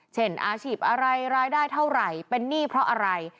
อาชีพอะไรรายได้เท่าไหร่เป็นหนี้เพราะอะไร